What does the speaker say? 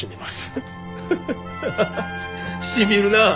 フフフハハハしみるなあ。